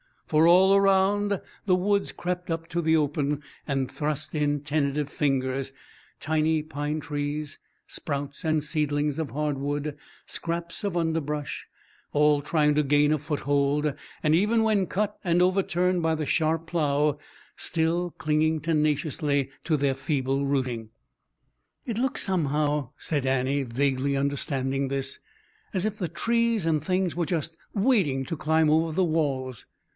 For all around, the woods crept up to the open and thrust in tentative fingers tiny pine trees, sprouts and seedlings of hardwood, scraps of underbrush all trying to gain a foothold and even when cut and overturned by the sharp plough still clinging tenaciously to their feeble rooting. "It looks somehow," said Annie, vaguely understanding this, "as if the trees and things were just waiting to climb over the walls."